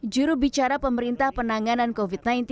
jurubicara pemerintah penanganan covid sembilan belas